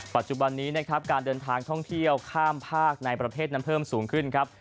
ปัจจุบันนี้นะครับการเดินทางท่องเที่ยวข้ามภาคในประเทศนั้นเพิ่มสูงขึ้นครับ